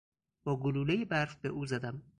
با گلولهی برف به او زدم.